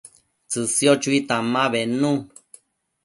tsësio chuitan ma bednu